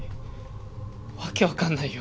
訳わかんないよ。